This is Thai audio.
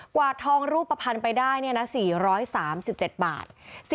กว่าทองรูปประพันธ์ไปได้เนี่ยนะ๔๓๗บาท